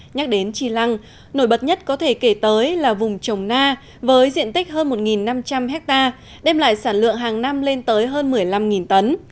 nhắc đến chi lăng nổi bật nhất có thể kể tới là vùng trồng na với diện tích hơn một năm trăm linh hectare đem lại sản lượng hàng năm lên tới hơn một mươi năm tấn